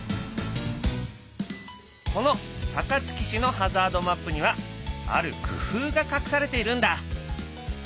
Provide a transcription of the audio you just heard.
この高槻市のハザードマップにはある工夫が隠されているんだ。